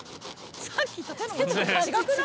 さっきと手の持ち方違くない？